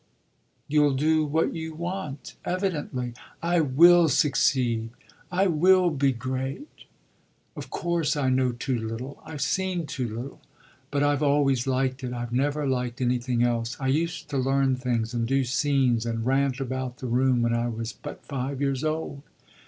"You'll do what you want, evidently." "I will succeed I will be great. Of course I know too little, I've seen too little. But I've always liked it; I've never liked anything else. I used to learn things and do scenes and rant about the room when I was but five years old."